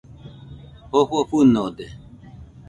Jofo fɨnode